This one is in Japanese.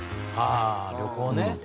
ああ旅行ね。